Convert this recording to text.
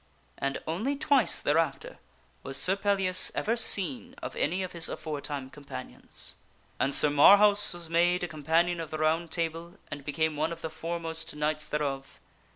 And only twice thereafter was Sir Pellias ever seen of any of his afore time companions. And Sir Marhaus was made a Companion of the Round Table and be er me one of the foremost knights thereof.